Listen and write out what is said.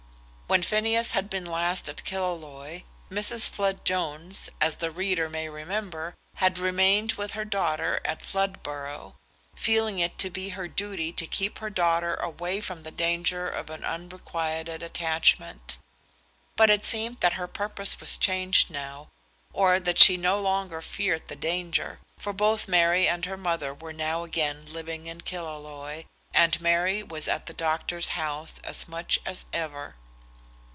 When Phineas had been last at Killaloe, Mrs. Flood Jones, as the reader may remember, had remained with her daughter at Floodborough, feeling it to be her duty to keep her daughter away from the danger of an unrequited attachment. But it seemed that her purpose was changed now, or that she no longer feared the danger, for both Mary and her mother were now again living in Killaloe, and Mary was at the doctor's house as much as ever.